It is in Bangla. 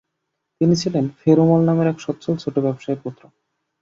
তিনি ছিলে ফেরু মল নামে এক সচ্ছল ছোটো ব্যবসায়ীর পুত্র।